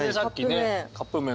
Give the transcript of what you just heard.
カップ麺。